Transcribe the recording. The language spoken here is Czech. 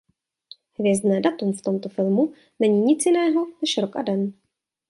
Hvězdné datum v tomto filmu není nic jiného než rok a den.